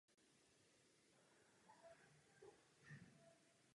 Některé pomníky jsou psané kromě písma hebrejského i písmem českým a německým.